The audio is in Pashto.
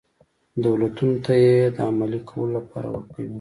دولتونو ته یې د عملي کولو لپاره ورک وي.